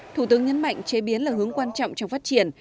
thủ tướng nhấn mạnh chế biến là hướng quan trọng trong phát triển